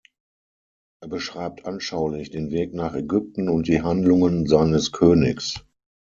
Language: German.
Er beschreibt anschaulich den Weg nach Ägypten und die Handlungen seines Königs.